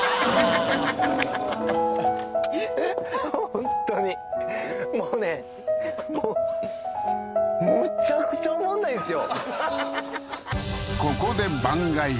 本当にもうねもうむちゃくちゃおもんないんですよ